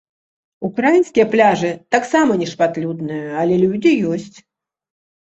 Украінскія пляжы таксама не шматлюдныя але людзі ёсць.